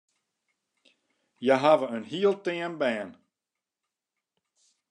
Hja hawwe in hiel team bern.